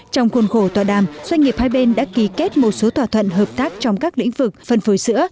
trong khuôn khổ tọa đàm doanh nghiệp hai bên đã ký kết một số thỏa thuận hợp tác trong các lĩnh vực phân phối sữa